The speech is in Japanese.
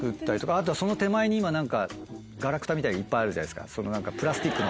あとはその手前に今何かがらくたみたいのいっぱいあるじゃないですかプラスチックの。